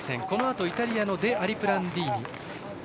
このあとイタリアのデアリプランディーニ。